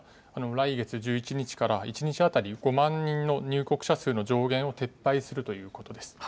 来月１１日から１日当たり５万人の入国者数の上限を撤廃するということです。